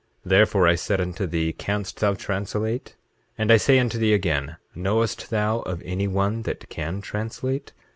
Therefore I said unto thee: Canst thou translate? 8:12 And I say unto thee again: Knowest thou of any one that can translate?